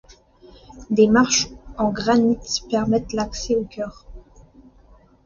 Des marches en granit permettent l'accès au chœur.